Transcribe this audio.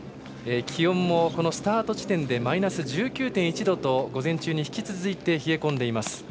気温もスタート地点でマイナス１９．１度と午前中に引き続いて冷え込んでいます。